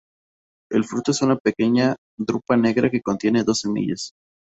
El fruto es una pequeña drupa negra que contiene dos semillas.